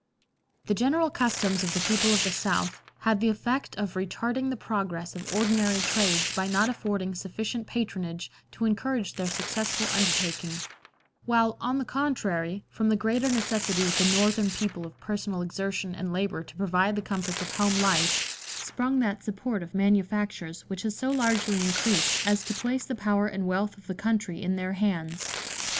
The general customs of the people of the South had the effect of retarding the progress of ordinary trades by not affording sufficient patronage to encourage their successful undertaking; while, on the contrary, from the greater necessity with the Northern people of personal exertion and labor to provide the comforts of home life, sprung that support of manufactures which has so largely increased as to place the power and wealth of the country in their hands.